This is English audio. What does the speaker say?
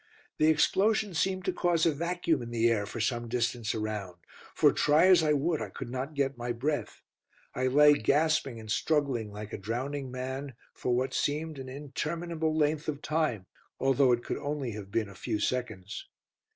The explosion seemed to cause a vacuum in the air for some distance around, for try as I would I could not get my breath. I lay gasping and struggling like a drowning man for what seemed an interminable length of time, although it could have only been a few seconds.